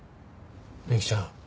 美幸ちゃん。